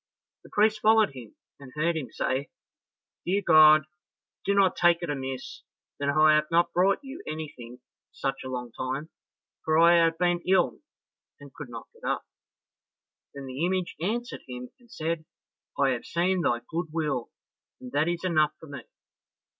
The priest followed him, and heard him say, "Dear God, do not take it amiss that I have not brought you anything for such a long time, for I have been ill and could not get up." Then the image answered him and said, "I have seen thy good will, and that is enough for me.